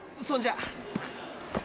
そんじゃ。